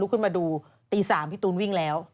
ขึ้นมาดูตี๓พี่ตูนวิ่งแล้ว